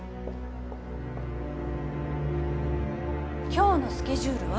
今日のスケジュールは？